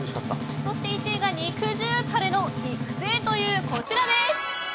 そして１位が、肉汁タレの育成というこちらです。